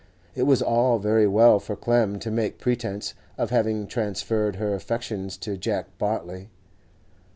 It was all very well for Clem to make pretence of having transferred her affections to Jack Bartley.